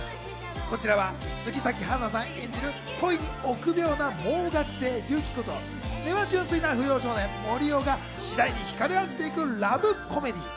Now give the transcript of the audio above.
こちらは杉咲花さん演じる恋に臆病な盲学生・ユキコと根は純粋な不良少年・森生が次第に惹かれ合っていくラブコメディー。